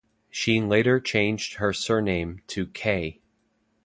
She later changed her surname to Kaye.